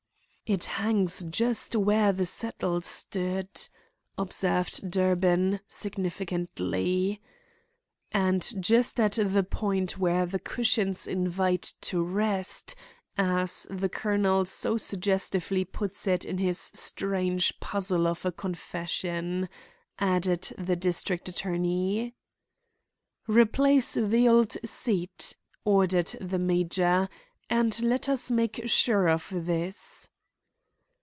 "It hangs just where the settle stood," observed Durbin, significantly. "And just at the point where the cushions invite rest, as the colonel so suggestively puts it in his strange puzzle of a confession," added the district attorney. "Replace the old seat," ordered the major, "and let us make sure of this."